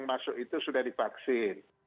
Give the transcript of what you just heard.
masuk itu sudah dipaksin